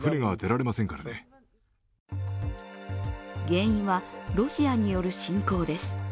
原因は、ロシアによる侵攻です。